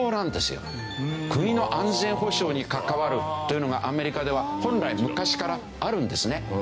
国の安全保障に関わるというのがアメリカでは本来昔からあるんですね。